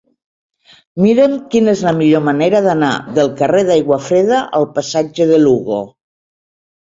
Mira'm quina és la millor manera d'anar del carrer d'Aiguafreda al passatge de Lugo.